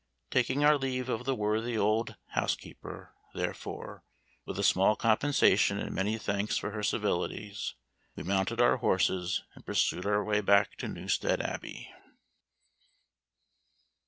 Taking our leave of the worthy old housekeeper, therefore, with a small compensation and many thanks for her civilities, we mounted our horses and pursued our way back to Newstead Abbey.